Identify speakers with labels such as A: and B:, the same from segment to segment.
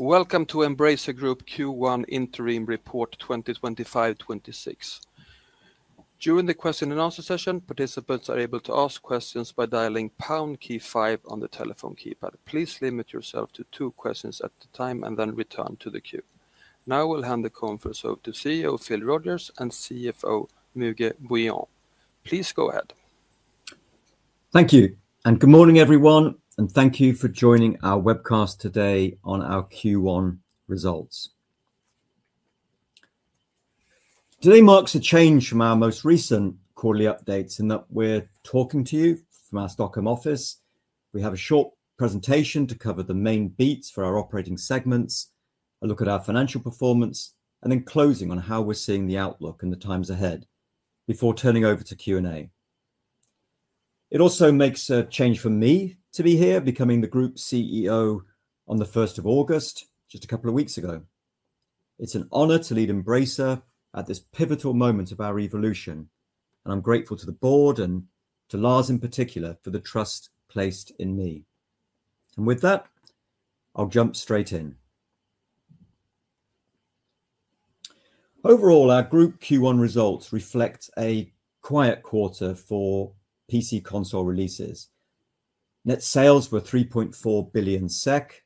A: Welcome to Embracer Group Q1 Interim Report 2025-2026. During the question and answer session, participants are able to ask questions by dialing the pound key five on the telephone keypad. Please limit yourself to two questions at a time and then return to the queue. Now we'll hand the conference over to CEO Phil Rogers and CFO Müge Bouillon. Please go ahead.
B: Thank you, and good morning everyone, and thank you for joining our webcast today on our Q1 results. Today marks a change from our most recent quarterly updates in that we're talking to you from our Stockholm office. We have a short presentation to cover the main bits for our operating segments, a look at our financial performance, and then closing on how we're seeing the outlook in the times ahead before turning over to Q&A. It also makes a change for me to be here, becoming the Embracer Group CEO on the 1st of August, just a couple of weeks ago. It's an honor to lead Embracer at this pivotal moment of our evolution, and I'm grateful to the board and to Lars in particular for the trust placed in me. With that, I'll jump straight in. Overall, our Group Q1 results reflect a quiet quarter for PC console releases. Net sales were 3.4 billion SEK,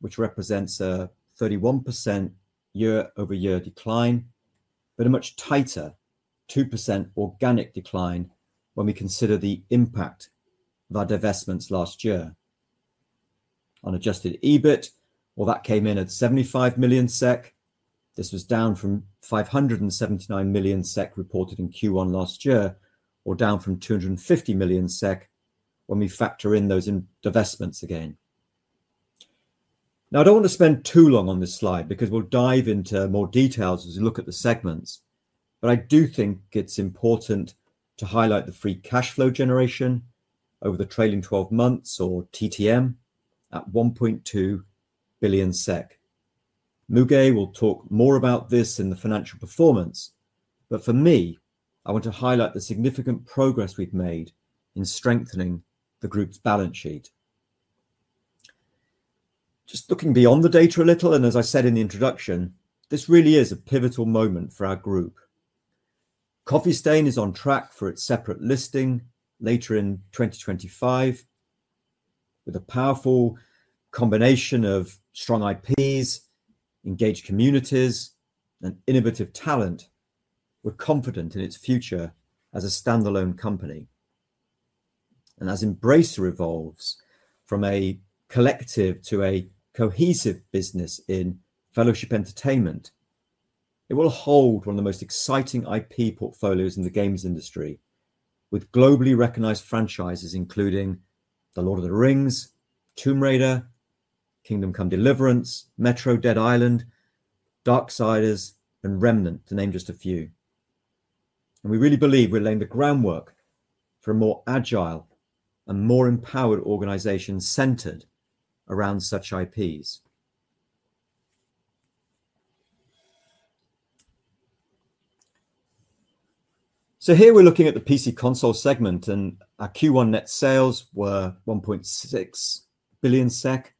B: which represents a 31% year-over-year decline, but a much tighter 2% organic decline when we consider the impact of our divestments last year. On adjusted EBIT, that came in at 75 million SEK. This was down from 579 million SEK reported in Q1 last year, or down from 250 million SEK when we factor in those divestments again. I don't want to spend too long on this slide because we'll dive into more details as we look at the segments, but I do think it's important to highlight the free cash flow generation over the trailing 12 months, or TTM, at 1.2 billion SEK. Müge will talk more about this in the financial performance, but for me, I want to highlight the significant progress we've made in strengthening the group's balance sheet. Just looking beyond the data a little, and as I said in the introduction, this really is a pivotal moment for our group. Coffee Stain is on track for its separate listing later in 2025. With a powerful combination of strong IPs, engaged communities, and innovative talent, we're confident in its future as a standalone company. As Embracer evolves from a collective to a cohesive business in Fellowship Entertainment, it will hold one of the most exciting IP portfolios in the games industry, with globally recognized franchises including The Lord of the Rings, Tomb Raider, Kingdom Come: Deliverance, Metro, Dead Island, Darksiders, and Remnant, to name just a few. We really believe we're laying the groundwork for a more agile and more empowered organization centered around such IPs. Here we're looking at the PC/console segment, and our Q1 net sales were 1.6 billion SEK,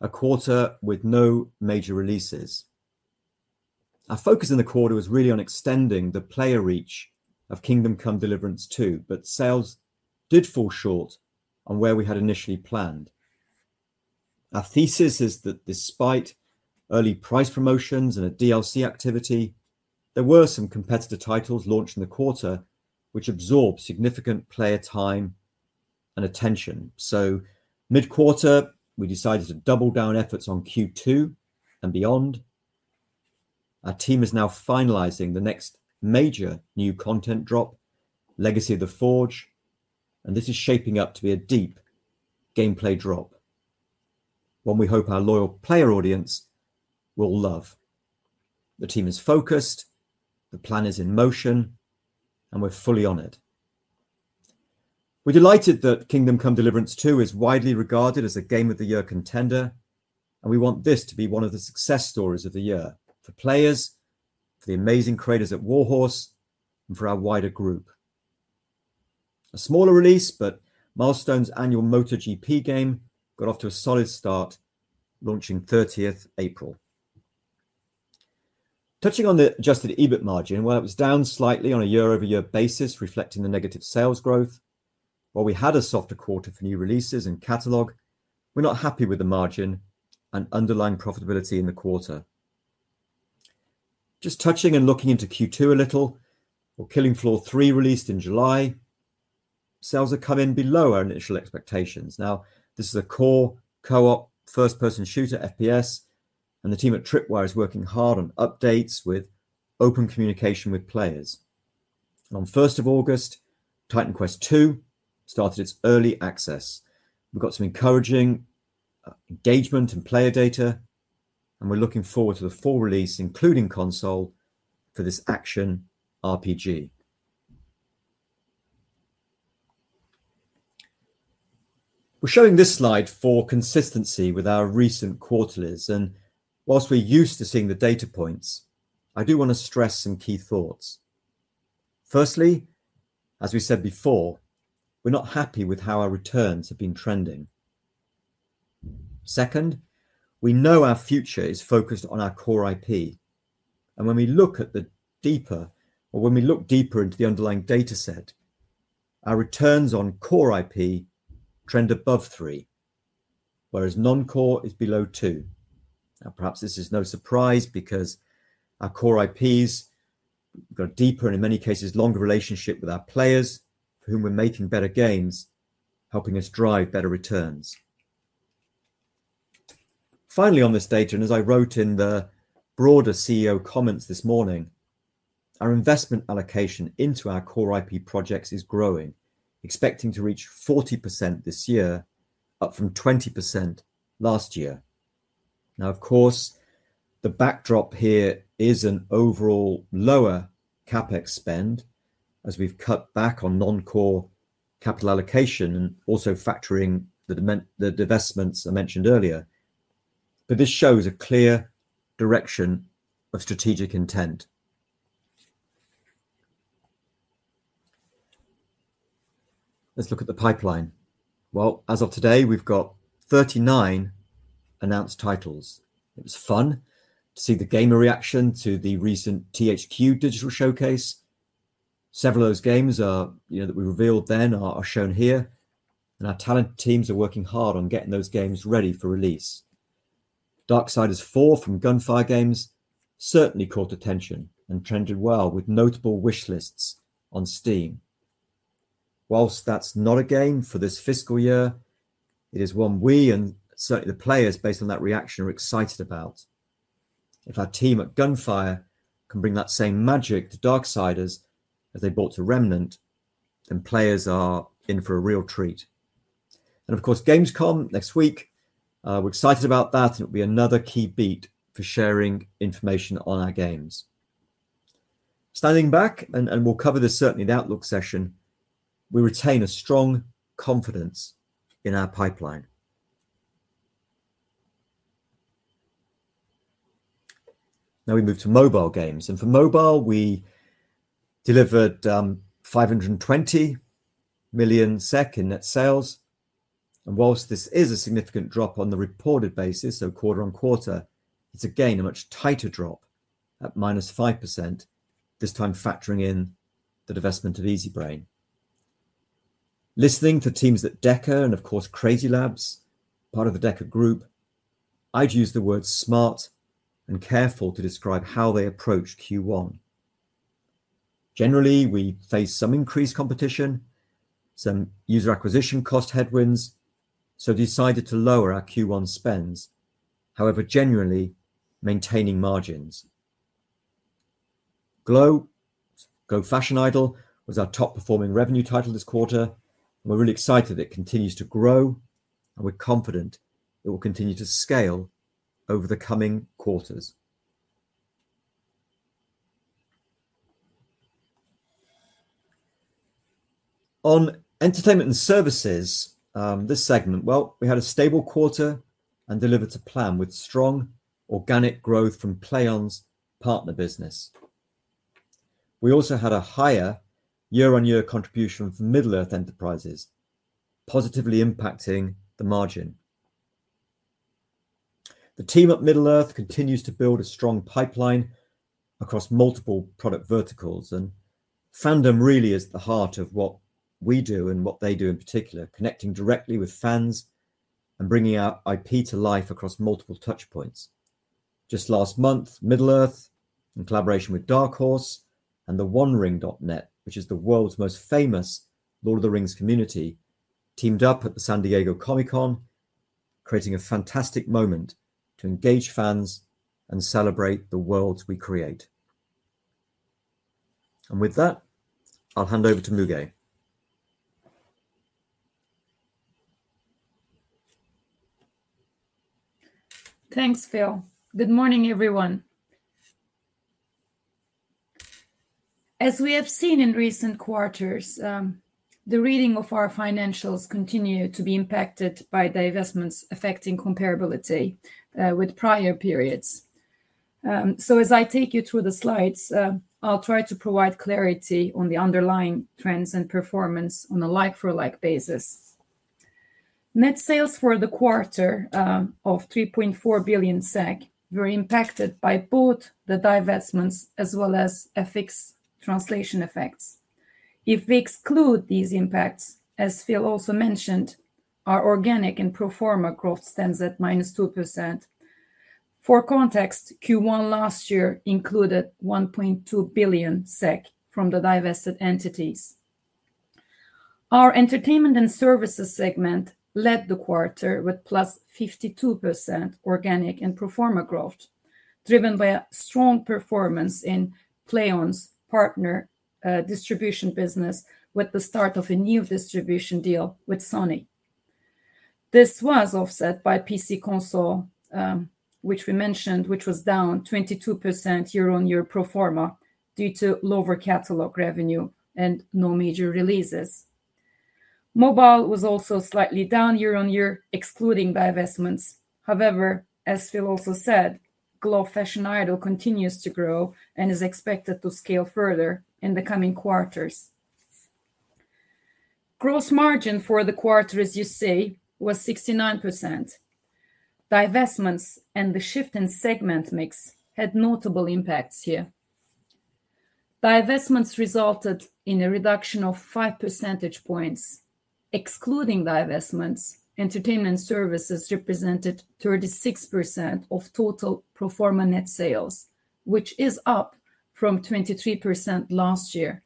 B: a quarter with no major releases. Our focus in the quarter was really on extending the player reach of Kingdom Come: Deliverance II, but sales did fall short on where we had initially planned. Our thesis is that despite early price promotions and a DLC activity, there were some competitor titles launched in the quarter which absorbed significant player time and attention. Mid-quarter, we decided to double down efforts on Q2 and beyond. Our team is now finalizing the next major new content drop, Legacy of the Forge, and this is shaping up to be a deep gameplay drop, one we hope our loyal player audience will love. The team is focused, the plan is in motion, and we're fully on it. We're delighted that Kingdom Come: Deliverance II is widely regarded as a Game of the Year contender, and we want this to be one of the success stories of the year for players, for the amazing creators at Warhorse, and for our wider group. A smaller release, but Milestone's annual MotoGP game got off to a solid start, launching 30th April. Touching on the adjusted EBIT margin, while it was down slightly on a year-over-year basis, reflecting the negative sales growth, while we had a softer quarter for new releases and catalog, we're not happy with the margin and underlying profitability in the quarter. Just touching and looking into Q2 a little, Killing Floor 3 released in July, sales have come in below our initial expectations. This is a core co-op first-person shooter FPS, and the team at Tripwire is working hard on updates with open communication with players. On the 1st of August, Titan Quest II started its early access. We've got some encouraging engagement and player data, and we're looking forward to the full release, including console, for this action RPG. We're showing this slide for consistency with our recent quarterlies, and whilst we're used to seeing the data points, I do want to stress some key thoughts. Firstly, as we said before, we're not happy with how our returns have been trending. Second, we know our future is focused on our core IP, and when we look deeper into the underlying data set, our returns on core IP trend above three, whereas non-core is below two. Now, perhaps this is no surprise because our core IPs got a deeper and in many cases longer relationship with our players, for whom we're making better gains, helping us drive better returns. Finally, on this data, and as I wrote in the broader CEO comments this morning, our investment allocation into our core IP projects is growing, expecting to reach 40% this year, up from 20% last year. Of course, the backdrop here is an overall lower CapEx spend as we've cut back on non-core capital allocation and also factoring the divestments I mentioned earlier. This shows a clear direction of strategic intent. Let's look at the pipeline. As of today, we've got 39 announced titles. It was fun to see the gamer reaction to the recent THQ digital showcase. Several of those games that we revealed then are shown here, and our talent teams are working hard on getting those games ready for release. Darksiders 4 from Gunfire Games certainly caught attention and trended well with notable wish lists on Steam. Whilst that's not a game for this fiscal year, it is one we and certainly the players based on that reaction are excited about. If our team at Gunfire can bring that same magic to Darksiders as they brought to Remnant, then players are in for a real treat. Of course, Gamescom next week, we're excited about that, and it will be another key beat for sharing information on our games. Standing back, and we'll cover this certainly in the outlook session, we retain a strong confidence in our pipeline. Now we move to mobile games, and for mobile, we delivered 520 million SEK in net sales. Whilst this is a significant drop on the reported basis, quarter on quarter, it's again a much tighter drop at -5%, this time factoring in the divestment of Easybrain. Listening for teams at DECA, and of course CrazyLabs, part of the DECA Group, I've used the words smart and careful to describe how they approach Q1. Generally, we face some increased competition, some user acquisition cost headwinds, so I've decided to lower our Q1 spends, however, generally maintaining margins. Glow Fashion Idol, was our top performing revenue title this quarter, and we're really excited it continues to grow, and we're confident it will continue to scale over the coming quarters. On entertainment and services, this segment, we had a stable quarter and delivered to plan with strong organic growth from PlayOn's partner business. We also had a higher year-on-year contribution from Middle-earth Enterprises, positively impacting the margin. The team at Middle-earth continues to build a strong pipeline across multiple product verticals, and fandom really is at the heart of what we do and what they do in particular, connecting directly with fans and bringing our IP to life across multiple touchpoints. Just last month, Middle-earth, in collaboration with Dark Horse and TheOneRing.net, which is the world's most famous The Lord of the Rings community, teamed up at the San Diego Comic-Con, creating a fantastic moment to engage fans and celebrate the worlds we create. With that, I'll hand over to Müge.
C: Thanks, Phil. Good morning, everyone. As we have seen in recent quarters, the reading of our financials continues to be impacted by divestments affecting comparability with prior periods. As I take you through the slides, I'll try to provide clarity on the underlying trends and performance on a like-for-like basis. Net sales for the quarter of 3.4 billion SEK were impacted by both the divestments as well as a fixed translation effect. If we exclude these impacts, as Phil also mentioned, our organic and pro forma growth stands at -2%. For context, Q1 last year included 1.2 billion SEK from the divested entities. Our entertainment and services segment led the quarter with +52% organic and pro forma growth, driven by a strong performance in PlayOn's partner distribution business with the start of a new distribution deal with Sony. This was offset by PC console, which we mentioned, which was down 22% year-on-year pro forma due to lower catalog revenue and no major releases. Mobile was also slightly down year-on-year, excluding divestments. However, as Phil also said, Glow Fashion Idol continues to grow and is expected to scale further in the coming quarters. Gross margin for the quarter, as you say, was 69%. Divestments and the shift in segment mix had notable impacts here. Divestments resulted in a reduction of 5 percentage points. Excluding divestments, entertainment services represented 36% of total pro forma net sales, which is up from 23% last year.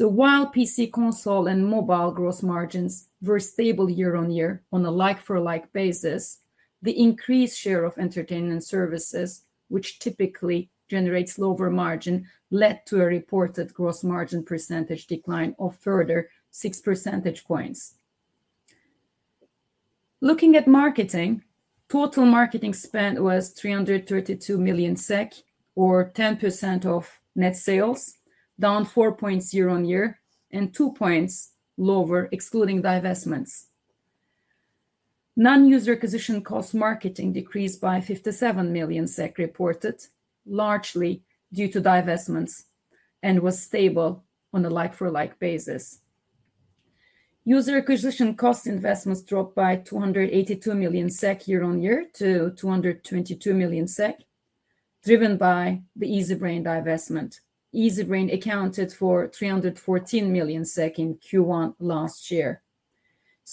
C: While PC console and mobile gross margins were stable year-on-year on a like-for-like basis, the increased share of entertainment services, which typically generates lower margin, led to a reported gross margin percentage decline of a further 6 percentage points. Looking at marketing, total marketing spend was 332 million SEK, or 10% of net sales, down 4% year-on-year and 2 points lower, excluding divestments. Non-user acquisition cost marketing decreased by 57 million SEK reported, largely due to divestments, and was stable on a like-for-like basis. User acquisition cost investments dropped by 282 million SEK year-on-year to 222 million SEK, driven by the Easybrain divestment. Easybrain accounted for 314 million SEK in Q1 last year.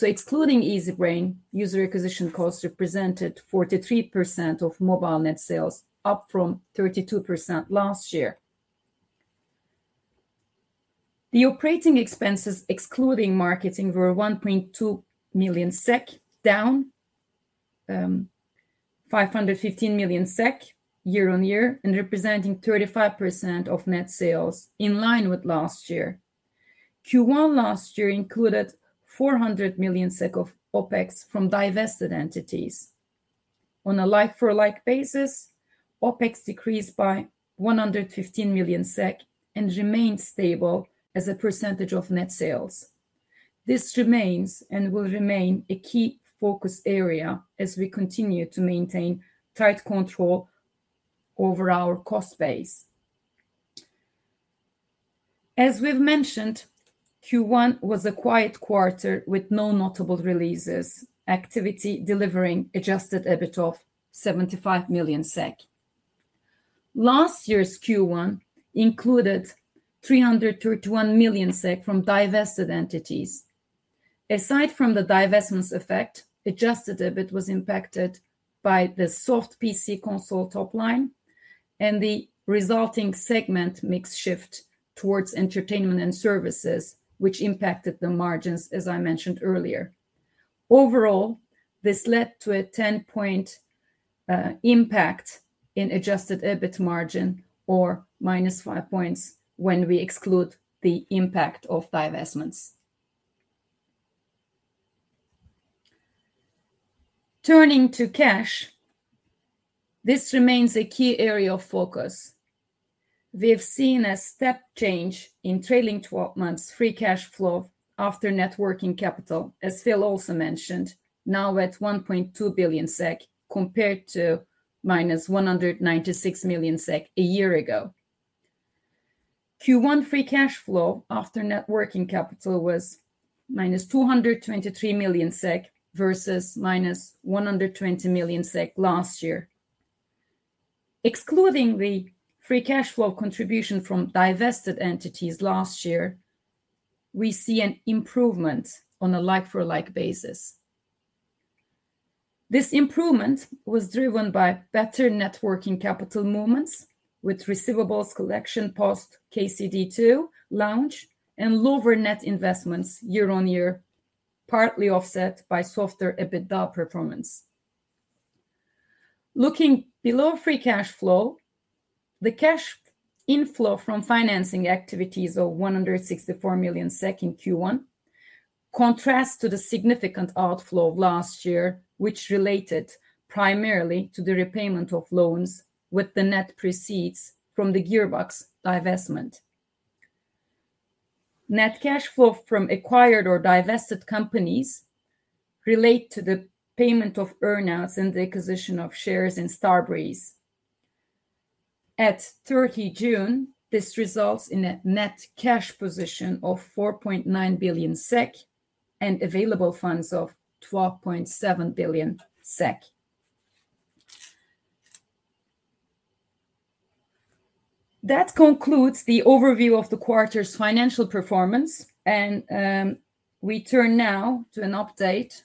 C: Excluding Easybrain, user acquisition costs represented 43% of mobile net sales, up from 32% last year. The operating expenses, excluding marketing, were 1.2 million SEK down, 515 million SEK year-on-year, and representing 35% of net sales, in line with last year. Q1 last year included 400 million SEK of OpEx from divested entities. On a like-for-like basis, OpEx decreased by 115 million SEK and remained stable as a percentage of net sales. This remains and will remain a key focus area as we continue to maintain tight control over our cost base. As we've mentioned, Q1 was a quiet quarter with no notable releases, activity delivering adjusted EBIT of 75 million SEK. Last year's Q1 included 331 million SEK from divested entities. Aside from the divestments effect, adjusted EBIT was impacted by the soft PC console top line and the resulting segment mix shift towards entertainment and services, which impacted the margins, as I mentioned earlier. Overall, this led to a 10-point impact in adjusted EBIT margin or -5 points when we exclude the impact of divestments. Turning to cash, this remains a key area of focus. We've seen a step change in trailing 12 months free cash flow after net working capital, as Phil also mentioned, now at 1.2 billion SEK compared to minus 196 million SEK a year ago. Q1 free cash flow after net working capital was minus 223 million SEK versus minus 120 million SEK last year. Excluding the free cash flow contribution from divested entities last year, we see an improvement on a like-for-like basis. This improvement was driven by better net working capital movements with receivables collection post KCD II launch and lower net investments year-on-year, partly offset by softer EBITDA performance. Looking below free cash flow, the cash inflow from financing activities of 164 million SEK in Q1 contrasts to the significant outflow of last year, which related primarily to the repayment of loans with the net proceeds from the Gearbox divestment. Net cash flow from acquired or divested companies relates to the payment of earnouts and the acquisition of shares in Starbreeze. At June 30, this results in a net cash position of 4.9 billion SEK and available funds of 12.7 billion SEK. That concludes the overview of the quarter's financial performance, and we turn now to an update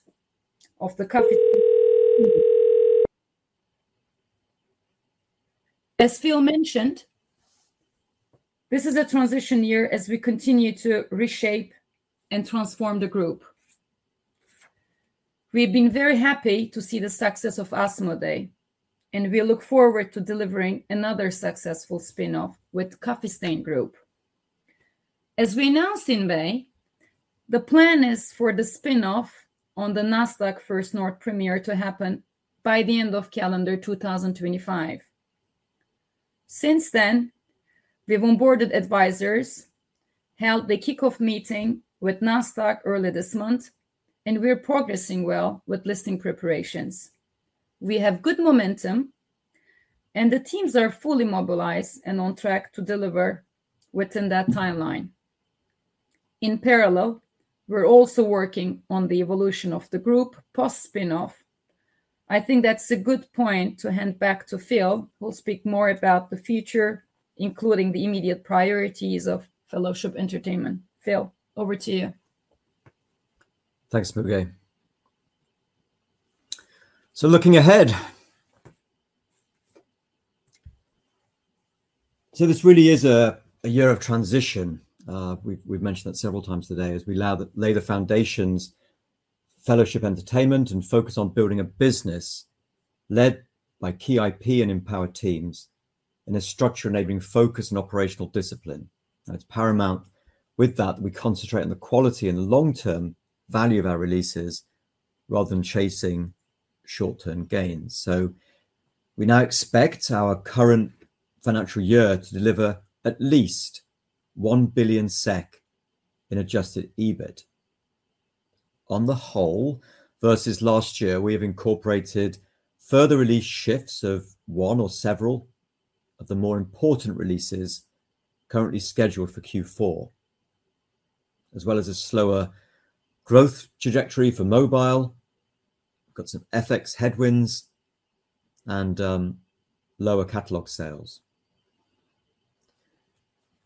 C: of the [Coffee Stain Group]. As Phil mentioned, this is a transition year as we continue to reshape and transform the group. We've been very happy to see the success of Asmodee, and we look forward to delivering another successful spin-off with Coffee Stain Group. As we announced in May, the plan is for the spin-off on the Nasdaq First North Premier to happen by the end of calendar 2025. Since then, we've onboarded advisors, held the kickoff meeting with Nasdaq early this month, and we're progressing well with listing preparations. We have good momentum, and the teams are fully mobilized and on track to deliver within that timeline. In parallel, we're also working on the evolution of the group post-spin-off. I think that's a good point to hand back to Phil, who'll speak more about the future, including the immediate priorities of Fellowship Entertainment. Phil, over to you.
B: Thanks, Müge. Looking ahead, this really is a year of transition. We've mentioned that several times today as we lay the foundations of Fellowship Entertainment and focus on building a business led by key IP and empowered teams, and a structure enabling focus and operational discipline. It's paramount with that that we concentrate on the quality and long-term value of our releases rather than chasing short-term gains. We now expect our current financial year to deliver at least 1 billion SEK in adjusted EBIT. On the whole, versus last year, we have incorporated further release shifts of one or several of the more important releases currently scheduled for Q4, as well as a slower growth trajectory for mobile. We've got some FX headwinds and lower catalog sales.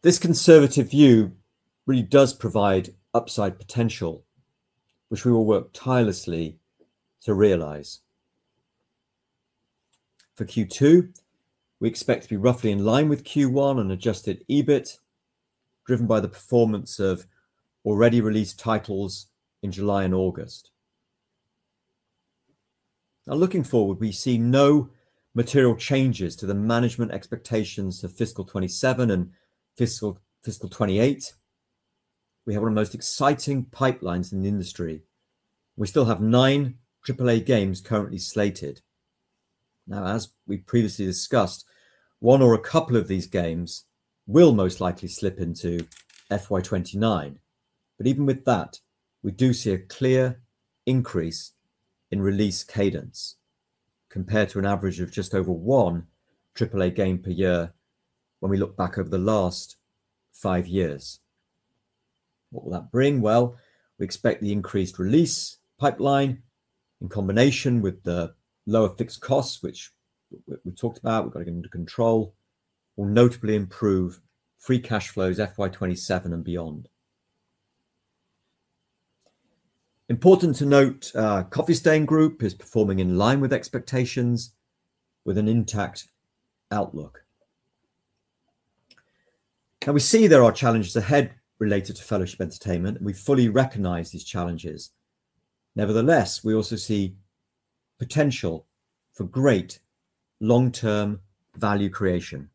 B: This conservative view really does provide upside potential, which we will work tirelessly to realize. For Q2, we expect to be roughly in line with Q1 on adjusted EBIT, driven by the performance of already released titles in July and August. Looking forward, we see no material changes to the management expectations of fiscal 2027 and fiscal 2028. We have one of the most exciting pipelines in the industry. We still have nine AAA games currently slated. As we previously discussed, one or a couple of these games will most likely slip into FY 2029, but even with that, we do see a clear increase in release cadence compared to an average of just over one AAA game per year when we look back over the last five years. What will that bring? We expect the increased release pipeline, in combination with the lower fixed costs, which we talked about, we've got to get into control, will notably improve free cash flows FY 2027 and beyond. Important to note, Coffee Stain Group is performing in line with expectations with an intact outlook. We see there are challenges ahead related to Fellowship Entertainment, and we fully recognize these challenges. Nevertheless, we also see potential for great long-term value creation.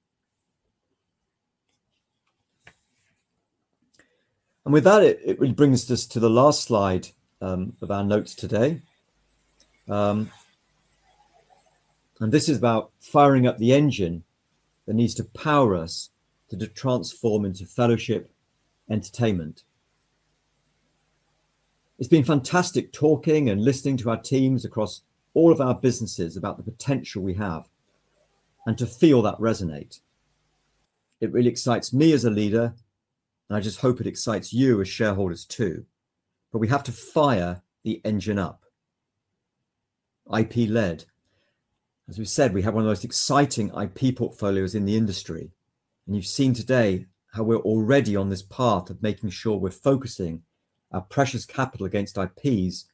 B: With that, it really brings us to the last slide of our notes today. This is about firing up the engine that needs to power us to transform into Fellowship Entertainment. It's been fantastic talking and listening to our teams across all of our businesses about the potential we have and to feel that resonate. It really excites me as a leader, and I just hope it excites you as shareholders too. We have to fire the engine up. IP-led. As we said, we have one of the most exciting IP portfolios in the industry, and you've seen today how we're already on this path of making sure we're focusing our precious capital against IPs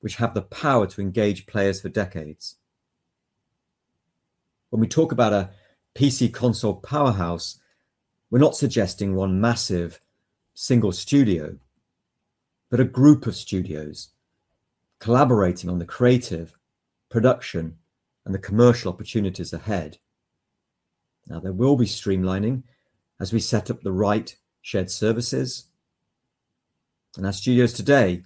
B: which have the power to engage players for decades. When we talk about a PC console powerhouse, we're not suggesting one massive single studio, but a group of studios collaborating on the creative, production, and the commercial opportunities ahead. There will be streamlining as we set up the right shared services. Our studios today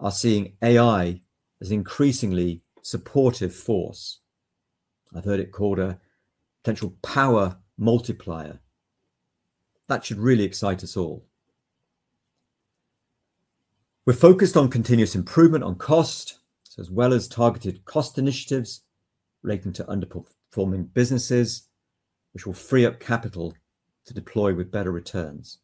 B: are seeing AI as an increasingly supportive force. I've heard it called a potential power multiplier. That should really excite us all. We're focused on continuous improvement on cost, as well as targeted cost initiatives relating to underperforming businesses, which will free up capital to deploy with better returns.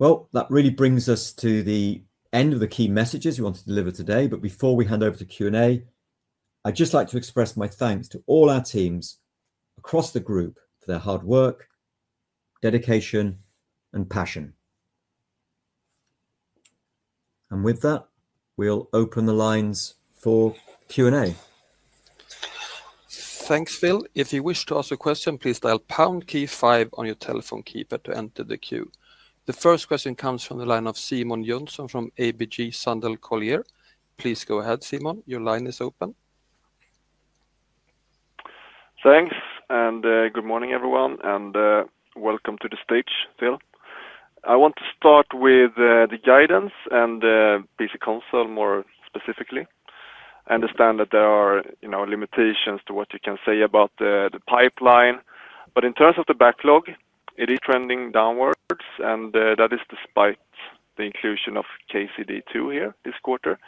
B: That really brings us to the end of the key messages we want to deliver today. Before we hand over to Q&A, I'd just like to express my thanks to all our teams across the group for their hard work, dedication, and passion. With that, we'll open the lines for Q&A.
A: Thanks, Phil. If you wish to ask a question, please dial the pound key five on your telephone keypad to enter the queue. The first question comes from the line of Simon Jönsson from ABG Sundal Collier. Please go ahead, Simon. Your line is open.
D: Thanks, and good morning, everyone, and welcome to the stage, Phil. I want to start with the guidance and PC console more specifically. I understand that there are limitations to what you can say about the pipeline, but in terms of the backlog, it is trending downwards, and that is despite the inclusion of KCD II here this quarter.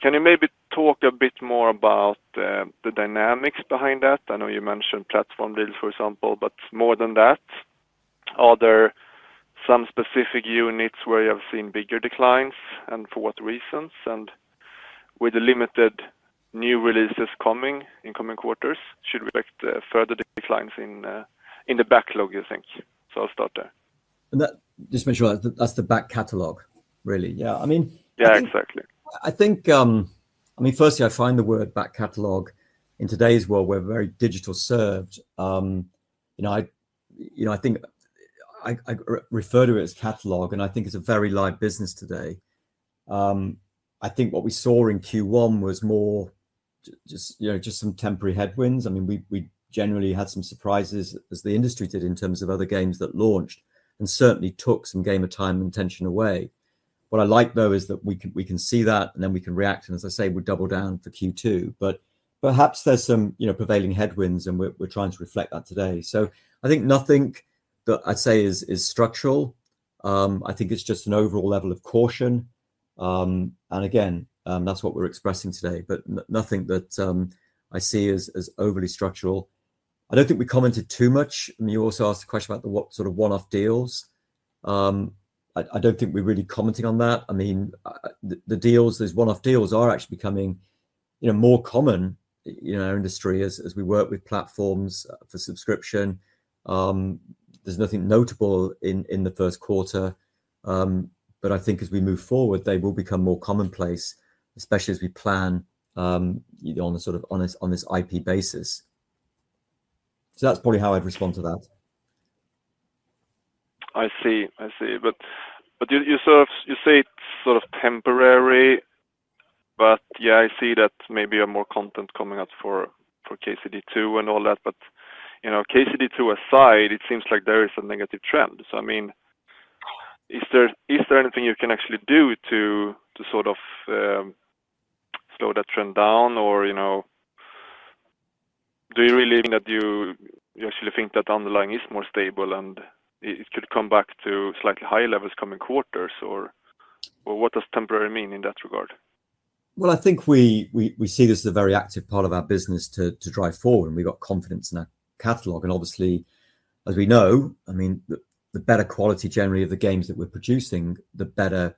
D: Can you maybe talk a bit more about the dynamics behind that? I know you mentioned platform deals, for example, but more than that, are there some specific units where you have seen bigger declines and for what reasons? With the limited new releases coming in coming quarters, should we expect further declines in the backlog, you think? I'll start there.
B: Just to make sure that that's the back catalog, really. Yeah, I mean.
D: Yeah, exactly.
B: I think, firstly, I find the word back catalog in today's world, we're very digital served. I think I refer to it as catalog, and I think it's a very light business today. What we saw in Q1 was more just some temporary headwinds. We generally had some surprises, as the industry did, in terms of other games that launched and certainly took some game of time and attention away. What I like though is that we can see that, and then we can react, and as I say, we double down for Q2. Perhaps there's some prevailing headwinds, and we're trying to reflect that today. I think nothing that I say is structural. It's just an overall level of caution. That's what we're expressing today, but nothing that I see as overly structural. I don't think we commented too much, and you also asked a question about the sort of one-off deals. I don't think we're really commenting on that. The deals, those one-off deals are actually becoming more common in our industry as we work with platforms for subscription. There's nothing notable in the first quarter, but I think as we move forward, they will become more commonplace, especially as we plan on a sort of on this IP basis. That's probably how I'd respond to that.
D: I see. You say it's sort of temporary, but I see that maybe more content is coming out for KCD II and all that. KCD II aside, it seems like there is a negative trend. Is there anything you can actually do to sort of slow that trend down, or do you really think that the underlying is more stable and it could come back to slightly higher levels coming quarters? What does temporary mean in that?
B: I think we see this as a very active part of our business to drive forward, and we've got confidence in our catalog. Obviously, as we know, the better quality generally of the games that we're producing, the better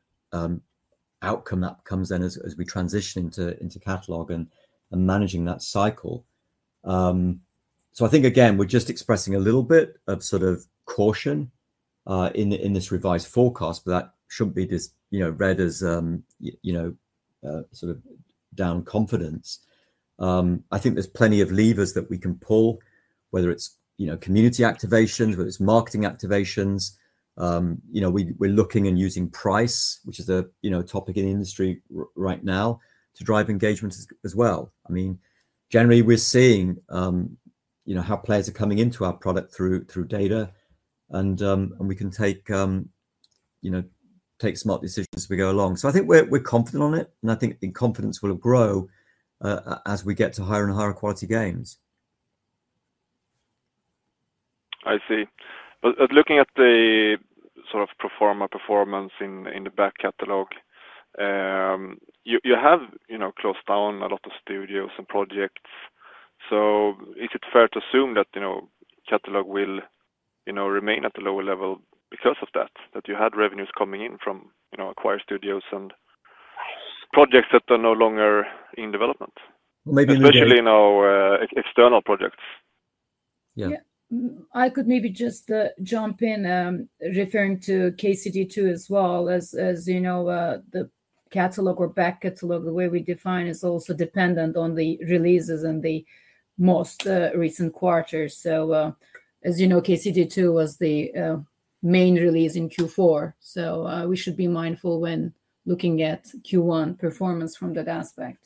B: outcome that comes in as we transition into catalog and managing that cycle. I think, again, we're just expressing a little bit of sort of caution in this revised forecast, but that shouldn't be read as down confidence. I think there's plenty of levers that we can pull, whether it's community activations or marketing activations. We're looking and using price, which is a topic in the industry right now, to drive engagement as well. Generally, we're seeing how players are coming into our product through data, and we can take smart decisions as we go along. I think we're confident on it, and I think confidence will grow as we get to higher and higher quality games.
D: I see. Looking at the sort of performance in the back catalog, you have closed down a lot of studios and projects. Is it fair to assume that the catalog will remain at the lower level because of that, that you had revenues coming in from acquired studios and projects that are no longer in development, especially external projects?
C: Yeah. I could maybe just jump in, referring to KCD II as well. As you know, the catalog or back catalog, the way we define it, is also dependent on the releases in the most recent quarters. As you know, KCD II was the main release in Q4. We should be mindful when looking at Q1 performance from that aspect.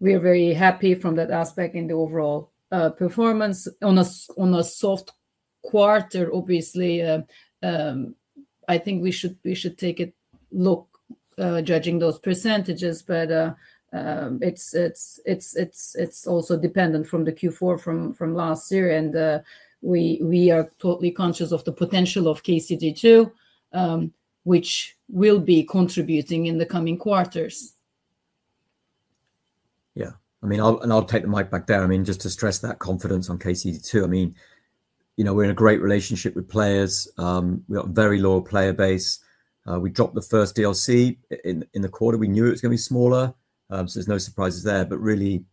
C: We are very happy from that aspect in the overall performance. On a soft quarter, obviously, I think we should take a look at judging those percentages, but it's also dependent from the Q4 from last year. We are totally conscious of the potential of KCD II, which will be contributing in the coming quarters.
B: Yeah. I'll take the mic back there. Just to stress that confidence on KCD II. We're in a great relationship with players. We've got a very low player base. We dropped the first DLC in the quarter. We knew it was going to be smaller, so there's no surprises there. The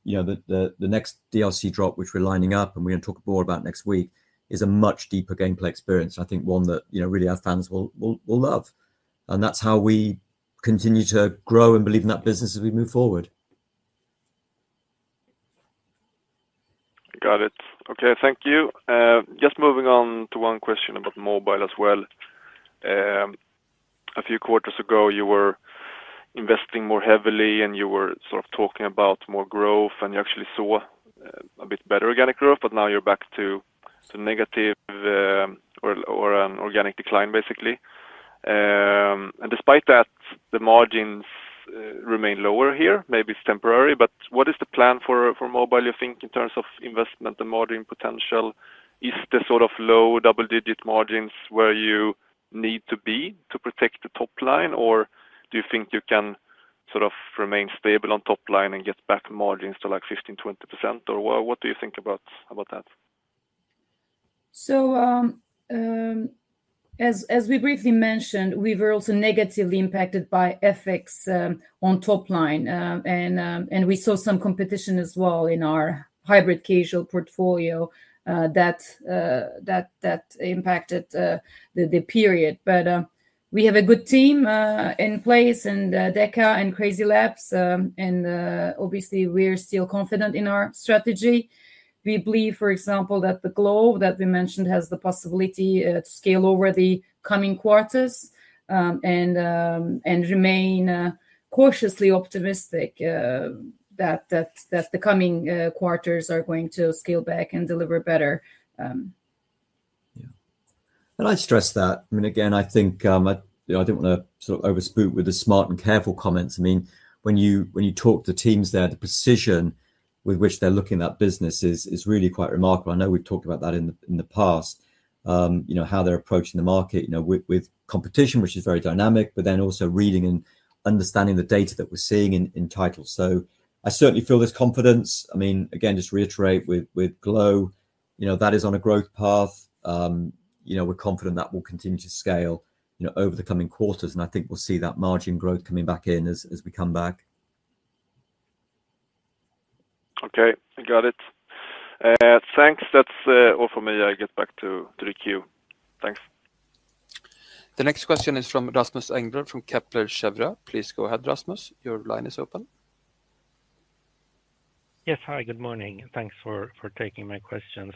B: next DLC drop, which we're lining up and we're going to talk more about next week, is a much deeper gameplay experience. I think one that really our fans will love. That's how we continue to grow and believe in that business as we move forward.
D: Got it. Okay, thank you. Just moving on to one question about mobile as well. A few quarters ago, you were investing more heavily and you were sort of talking about more growth, and you actually saw a bit better organic growth, but now you're back to negative or an organic decline, basically. Despite that, the margins remain lower here. Maybe it's temporary, but what is the plan for mobile, you think, in terms of investment and margin potential? Is the sort of low double-digit margins where you need to be to protect the top line, or do you think you can sort of remain stable on top line and get back margins to like 15%, 20%, or what do you think about that?
C: As we briefly mentioned, we were also negatively impacted by FX on top line, and we saw some competition as well in our hybrid casual portfolio that impacted the period. We have a good team in place, and DECA and CrazyLabs, and obviously, we're still confident in our strategy. We believe, for example, that the Glow that we mentioned has the possibility to scale over the coming quarters, and remain cautiously optimistic that the coming quarters are going to scale back and deliver better.
B: I stress that. I mean, again, I think I don't want to sort of overshoot with the smart and careful comments. I mean, when you talk to teams there, the precision with which they're looking at that business is really quite remarkable. I know we've talked about that in the past, how they're approaching the market with competition, which is very dynamic, but then also reading and understanding the data that we're seeing in titles. I certainly feel this confidence. Again, just reiterate with Glow, you know, that is on a growth path. We're confident that will continue to scale over the coming quarters, and I think we'll see that margin growth coming back in as we come back.
D: Okay, I got it. Thanks. That's all for me. I get back to the queue. Thanks.
A: The next question is from Rasmus Engberg from Kepler Cheuvreux. Please go ahead, Rasmus. Your line is open.
E: Yes, hi. Good morning. Thanks for taking my questions.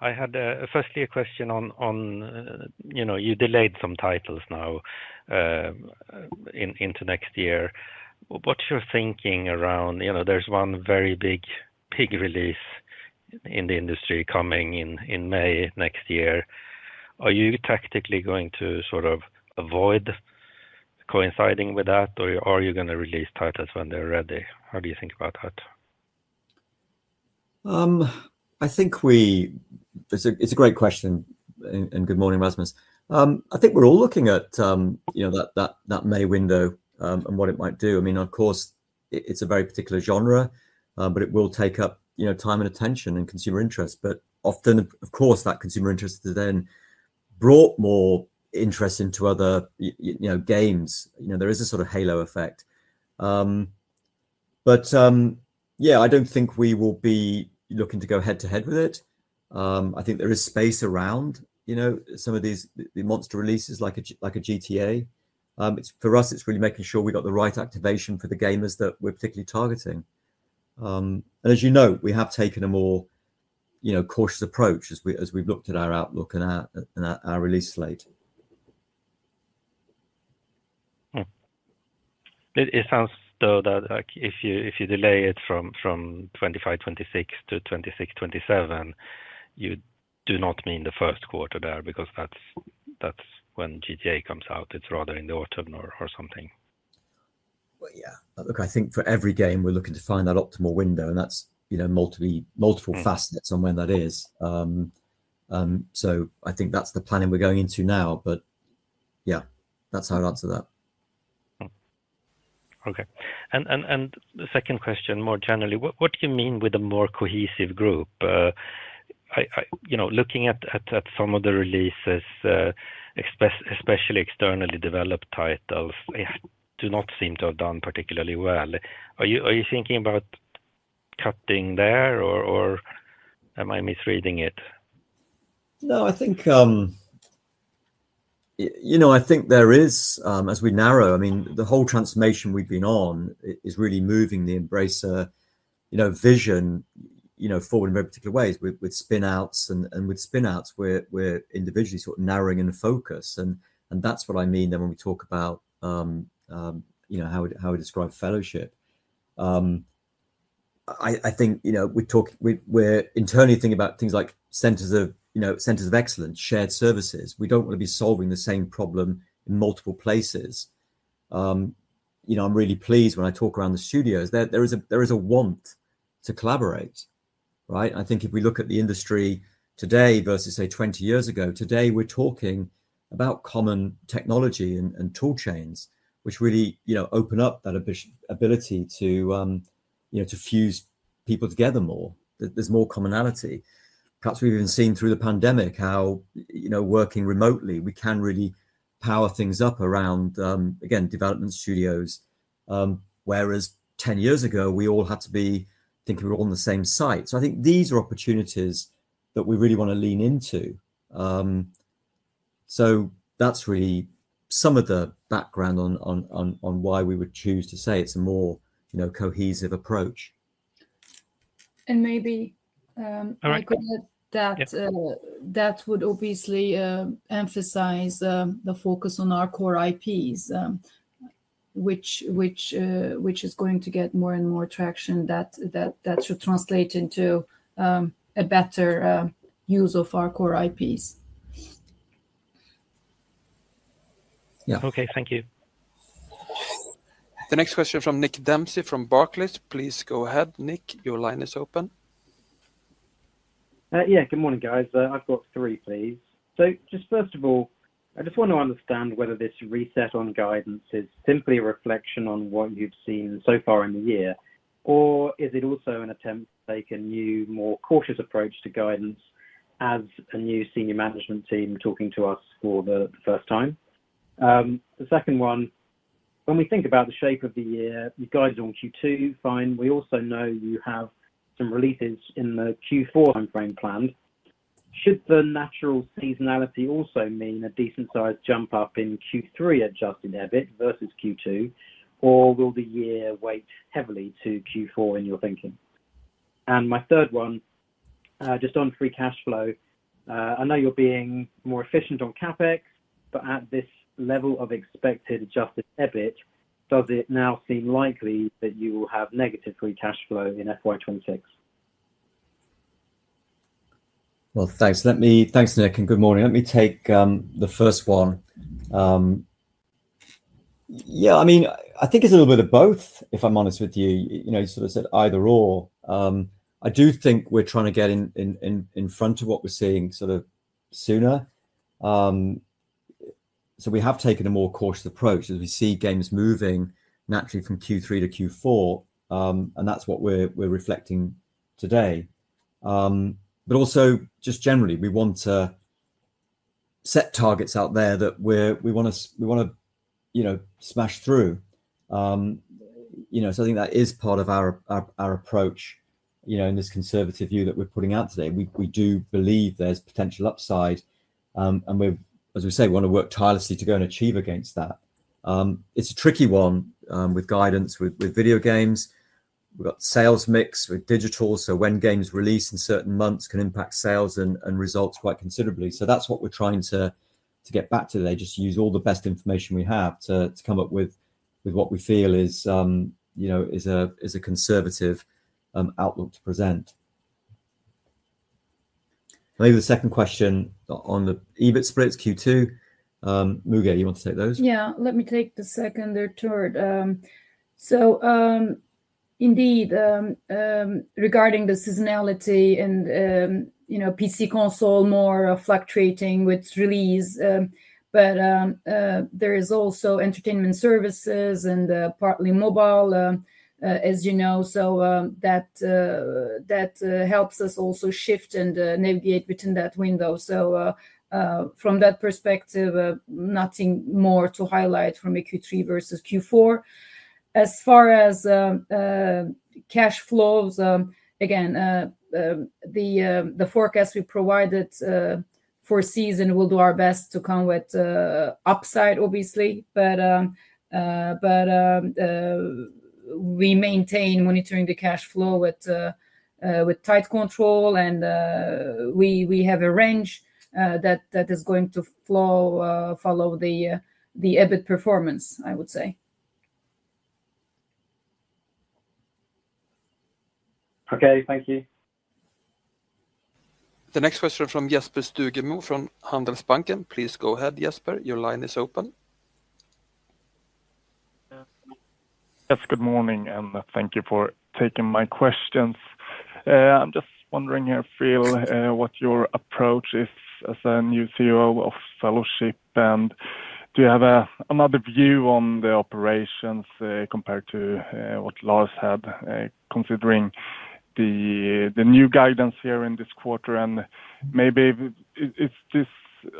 E: I had a first-year question on, you know, you delayed some titles now into next year. What's your thinking around, you know, there's one very big release in the industry coming in May next year. Are you tactically going to sort of avoid coinciding with that, or are you going to release titles when they're ready? How do you think about that?
B: I think it's a great question, and good morning, Rasmus. I think we're all looking at, you know, that May window and what it might do. I mean, of course, it's a very particular genre, but it will take up, you know, time and attention and consumer interest. Of course, that consumer interest has then brought more interest into other, you know, games. You know, there is a sort of halo effect. Yeah, I don't think we will be looking to go head-to-head with it. I think there is space around, you know, some of these monster releases like a GTA. For us, it's really making sure we got the right activation for the gamers that we're particularly targeting. As you know, we have taken a more, you know, cautious approach as we've looked at our outlook and our release slate.
E: It sounds though that if you delay it from 2025-2026 to 2026-2027, you do not mean the first quarter there because that's when GTA comes out. It's rather in the autumn or something.
B: I think for every game, we're looking to find that optimal window, and that's, you know, multiple facets on when that is. I think that's the planning we're going into now. That's how I'd answer that.
E: Okay. The second question, more generally, what do you mean with a more cohesive group? Looking at some of the releases, especially externally developed titles, they do not seem to have done particularly well. Are you thinking about cutting there, or am I misreading it?
B: I think there is, as we narrow, the whole transformation we've been on is really moving the Embracer vision forward in very particular ways. With spin-outs, we're individually sort of narrowing in the focus. That's what I mean when we talk about how we describe fellowship. I think we're internally thinking about things like centers of excellence, shared services. We don't want to be solving the same problem in multiple places. I'm really pleased when I talk around the studios. There is a want to collaborate, right? I think if we look at the industry today versus, say, 20 years ago, today we're talking about common technology and tool chains, which really open up that ability to fuse people together more. There's more commonality. Perhaps we've even seen through the pandemic how working remotely, we can really power things up around, again, development studios. Whereas 10 years ago, we all had to be thinking we were all on the same site. I think these are opportunities that we really want to lean into. That's really some of the background on why we would choose to say it's a more cohesive approach.
C: I couldn't, that would obviously emphasize the focus on our core IPs, which is going to get more and more traction. That should translate into a better use of our core IPs.
E: Yeah, okay, thank you.
A: The next question from Nick Dempsey from Barclays. Please go ahead, Nick. Your line is open.
F: Yeah, good morning, guys. I've got three, please. First of all, I just want to understand whether this reset on guidance is simply a reflection on what you've seen so far in the year, or is it also an attempt to take a new, more cautious approach to guidance as a new senior management team talking to us for the first time? The second one, when we think about the shape of the year, you guide on Q2. Fine. We also know you have some releases in the Q4 timeframe planned. Should the natural seasonality also mean a decent sized jump up in Q3 adjusted EBIT versus Q2, or will the year weight heavily to Q4 in your thinking? My third one, just on free cash flow. I know you're being more efficient on CapEx, but at this level of expected adjusted EBIT, does it now seem likely that you will have negative free cash flow in FY 2026?
B: Thank you, Nick, and good morning. Let me take the first one. I think it's a little bit of both, if I'm honest with you, you know, sort of said either or. I do think we're trying to get in front of what we're seeing sooner. We have taken a more cautious approach as we see games moving naturally from Q3 to Q4, and that's what we're reflecting today. Also, just generally, we want to set targets out there that we want to smash through. I think that is part of our approach in this conservative view that we're putting out today. We do believe there's potential upside, and as we say, we want to work tirelessly to go and achieve against that. It's a tricky one with guidance, with video games. We've got sales mix with digital, so when games release in certain months can impact sales and results quite considerably. That's what we're trying to get back to today, just use all the best information we have to come up with what we feel is a conservative outlook to present. Maybe the second question on the EBIT splits Q2. Müge, you want to take those?
C: Yeah, let me take the second or third. Indeed, regarding the seasonality and PC console, more fluctuating with release, but there is also entertainment services and partly mobile, as you know, so that helps us also shift and navigate within that window. From that perspective, nothing more to highlight from Q3 versus Q4. As far as cash flows, again, the forecast we provided for season will do our best to come with upside, obviously. We maintain monitoring the cash flow with tight control, and we have a range that is going to follow the EBIT performance, I would say.
F: Okay, thank you.
A: The next question from Jesper Stugemo from Handelsbanken. Please go ahead, Jesper. Your line is open.
G: Yes, good morning, and thank you for taking my questions. I'm just wondering here, Phil, what your approach is as a new CEO of Fellowship, and do you have another view on the operations compared to what Lars had, considering the new guidance here in this quarter? Maybe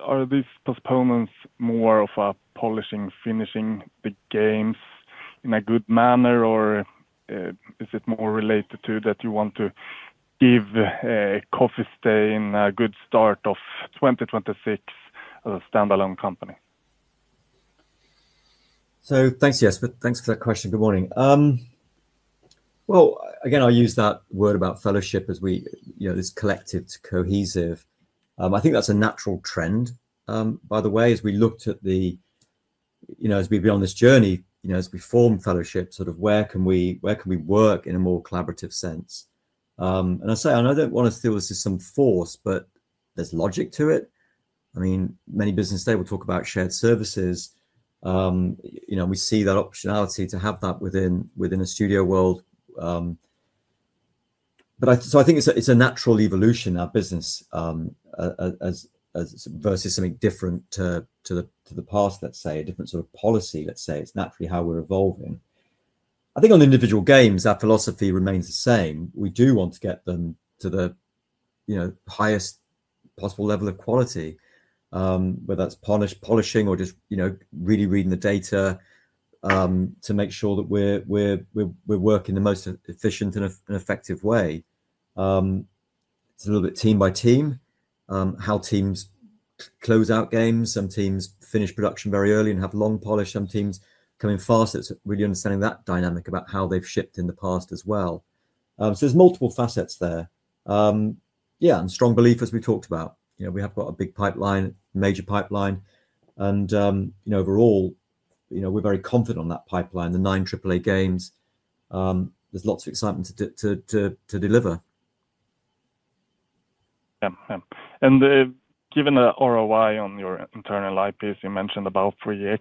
G: are these postponements more of a polishing, finishing the games in a good manner, or is it more related to that you want to give Coffee Stain a good start of 2026 as a standalone company?
B: Thanks, Jesper. Thanks for that question. Good morning. I'll use that word about Fellowship as we, you know, this collective to cohesive. I think that's a natural trend, by the way, as we looked at the, you know, as we've been on this journey, as we form Fellowship, sort of where can we, where can we work in a more collaborative sense? I say, and I don't want to steal this with some force, but there's logic to it. Many businesses today will talk about shared services. We see that optionality to have that within the studio world. I think it's a natural evolution in our business versus something different to the past, let's say, a different sort of policy, let's say. It's naturally how we're evolving. I think on individual games, our philosophy remains the same. We do want to get them to the highest possible level of quality, whether that's polishing or just really reading the data to make sure that we're working in the most efficient and effective way. It's a little bit team by team, how teams close out games. Some teams finish production very early and have long polish. Some teams come in fast. It's really understanding that dynamic about how they've shipped in the past as well. There's multiple facets there. Yeah, and strong belief, as we talked about, we have got a big pipeline, a major pipeline, and overall, we're very confident on that pipeline, the nine AAA games. There's lots of excitement to deliver.
G: Given the ROI on your internal IPs, you mentioned about 3x.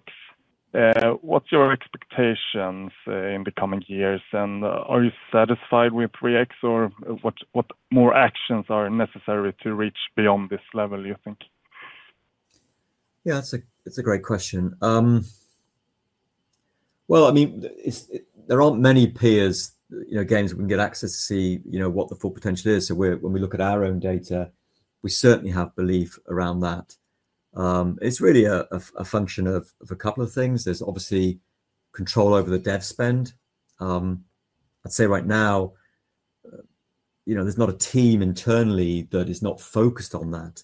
G: What's your expectations in the coming years, and are you satisfied with 3x, or what more actions are necessary to reach beyond this level, you think?
B: Yeah, that's a great question. I mean, there aren't many peers, you know, games we can get access to see, you know, what the full potential is. When we look at our own data, we certainly have belief around that. It's really a function of a couple of things. There's obviously control over the dev spend. I'd say right now, there's not a team internally that is not focused on that.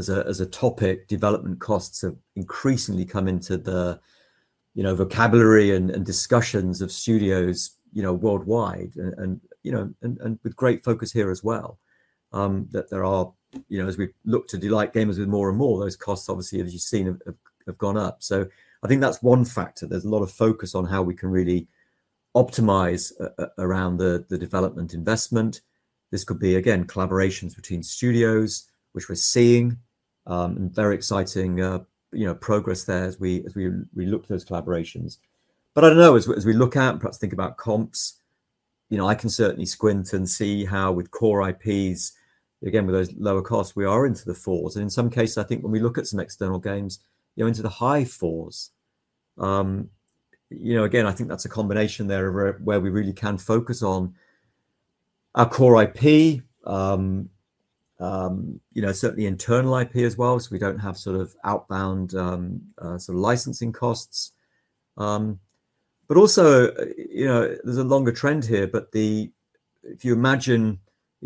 B: As a topic, development costs have increasingly come into the vocabulary and discussions of studios worldwide, and with great focus here as well. As we look to delight gamers with more and more, those costs, obviously, as you've seen, have gone up. I think that's one factor. There's a lot of focus on how we can really optimize around the development investment. This could be, again, collaborations between studios, which we're seeing, and very exciting progress there as we look for those collaborations. I don't know, as we look at and perhaps think about comps, I can certainly squint and see how with core IPs, again, with those lower costs, we are into the fours. In some cases, I think when we look at some external games, you're into the high fours. I think that's a combination there of where we really can focus on our core IP, certainly internal IP as well, so we don't have sort of outbound licensing costs. Also, there's a longer trend here, but if you imagine,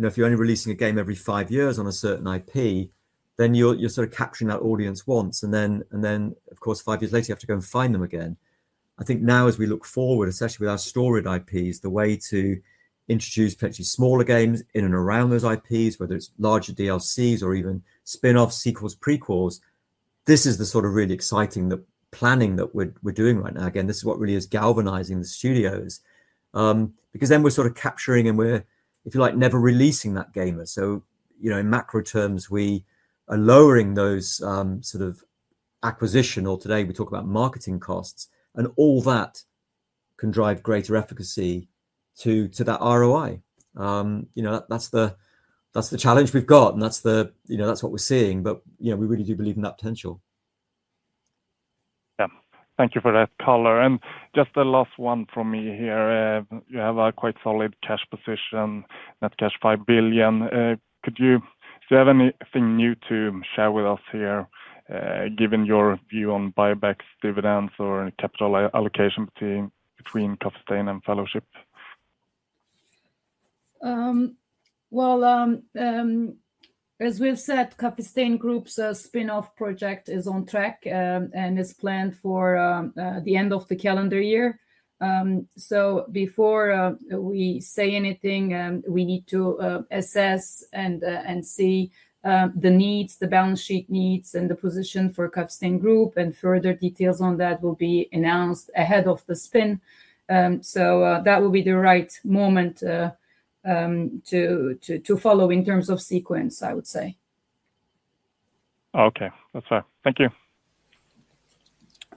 B: if you're only releasing a game every five years on a certain IP, then you're sort of capturing that audience once. Of course, five years later, you have to go and find them again. I think now, as we look forward, especially with our storied IPs, the way to introduce potentially smaller games in and around those IPs, whether it's larger DLCs or even spin-off sequels, prequels, this is the sort of really exciting planning that we're doing right now. This is what really is galvanizing the studios, because then we're sort of capturing and we're, if you like, never releasing that gamer. In macro terms, we are lowering those sort of acquisition, or today we talk about marketing costs, and all that can drive greater efficacy to that ROI. That's the challenge we've got, and that's what we're seeing, but we really do believe in that potential.
G: Thank you for that color. Just the last one from me here. You have a quite solid cash position, net cash 5 billion. Do you have anything new to share with us here, given your view on buybacks, dividends, or any capital allocation between Coffee Stain and Fellowship?
C: As we've said, Coffee Stain Group's spin-off project is on track and is planned for the end of the calendar year. Before we say anything, we need to assess and see the needs, the balance sheet needs, and the position for Coffee Stain Group, and further details on that will be announced ahead of the spin. That will be the right moment to follow in terms of sequence, I would say.
G: Okay, that's fair. Thank you.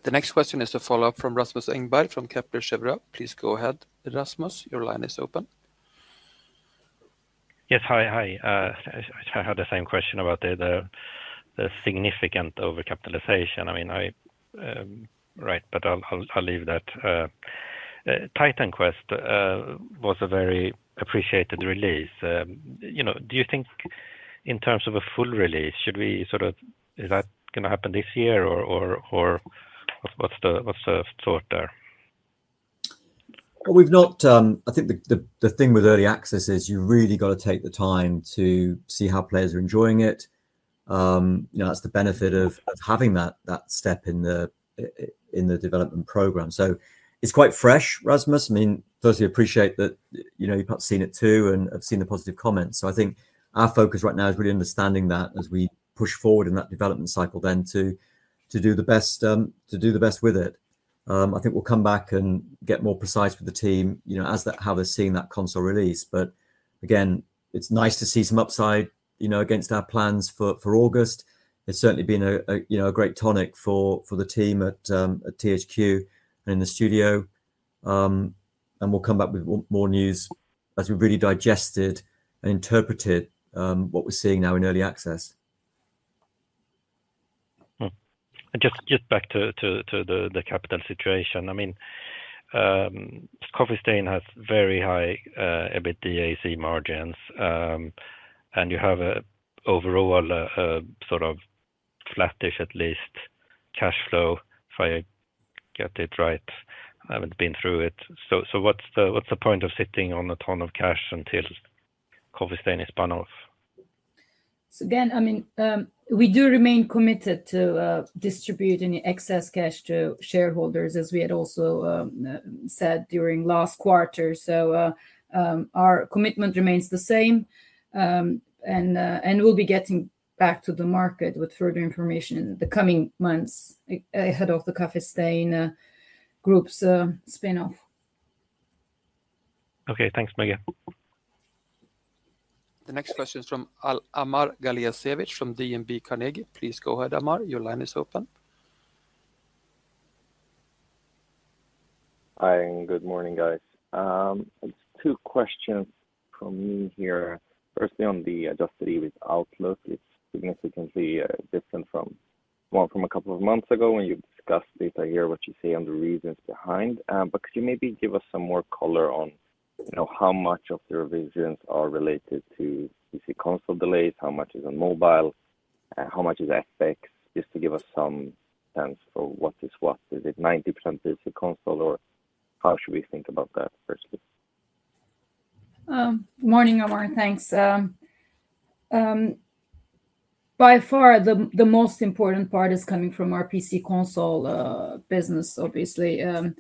A: The next question is a follow-up from Rasmus Engberg from Kepler Cheuvreux. Please go ahead, Rasmus. Your line is open.
E: Yes, hi. I had the same question about the significant overcapitalization. I mean, I'm right, but I'll leave that. Titan Quest was a very appreciated release. Do you think in terms of a full release, should we sort of, is that going to happen this year, or what's the thought there?
B: I think the thing with early access is you really got to take the time to see how players are enjoying it. You know, that's the benefit of having that step in the development program. It's quite fresh, Rasmus. I mean, firstly, I appreciate that, you know, you've perhaps seen it too, and I've seen the positive comments. I think our focus right now is really understanding that as we push forward in that development cycle, then to do the best with it. I think we'll come back and get more precise with the team, you know, as to how they're seeing that console release. Again, it's nice to see some upside, you know, against our plans for August. It's certainly been a great tonic for the team at THQ and in the studio. We'll come back with more news as we've really digested and interpreted what we're seeing now in early access.
E: Just back to the capital situation, I mean, Coffee Stain has very high EBIT DAC margins, and you have an overall sort of flattish at least cash flow, if I get it right. I haven't been through it. What's the point of sitting on a ton of cash until Coffee Stain is spun off?
C: We do remain committed to distributing excess cash to shareholders, as we had also said during last quarter. Our commitment remains the same, and we'll be getting back to the market with further information in the coming months ahead of the Coffee Stain Group's spin-off.
E: Okay, thanks, Müge.
A: The next question is from Amar Galijasevic from DNB Carnegie. Please go ahead, Amar. Your line is open.
H: Hi, and good morning, guys. It's two questions from me here. Firstly, on the adjusted EBIT outlook, it's significantly different from one from a couple of months ago when you discussed it. I hear what you say on the reasons behind, but could you maybe give us some more color on, you know, how much of the revisions are related to PC console delays, how much is on mobile, and how much is FX, just to give us some sense of what is what? Is it 90% PC console, or how should we think about that first?
C: Morning, Amar. Thanks. By far, the most important part is coming from our PC console business, obviously. I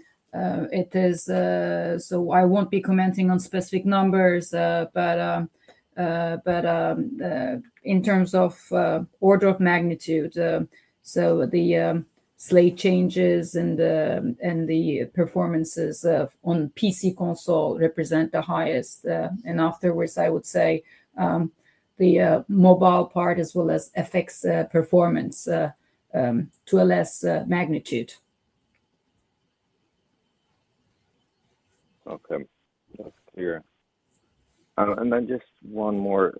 C: won't be commenting on specific numbers, but in terms of order of magnitude, the slate changes and the performances on PC console represent the highest. Afterwards, I would say the mobile part, as well as FX performance, to a less magnitude.
H: Okay. Yeah. Just one more,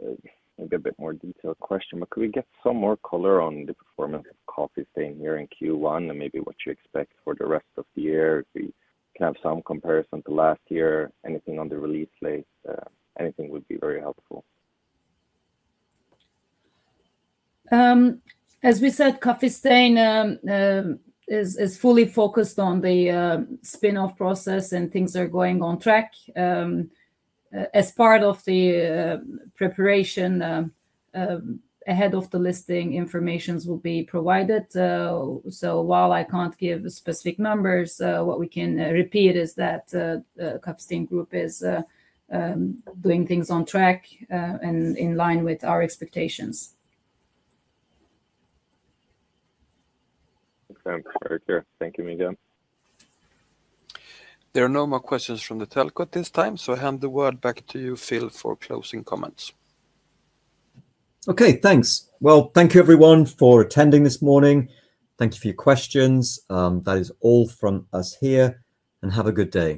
H: maybe a bit more detailed question, but could we get some more color on the performance of Coffee Stain here in Q1 and maybe what you expect for the rest of the year? We can have some comparison to last year. Anything on the release slate, anything would be very helpful.
C: As we said, Coffee Stain is fully focused on the spin-off process, and things are going on track. As part of the preparation ahead of the listing, information will be provided. While I can't give specific numbers, what we can repeat is that the Coffee Stain Group is doing things on track and in line with our expectations.
H: Thanks, very clear. Thank you, Müge.
A: There are no more questions from the telco at this time, so I hand the word back to you, Phil, for closing comments.
B: Okay, thanks. Thank you, everyone, for attending this morning. Thank you for your questions. That is all from us here, and have a good day.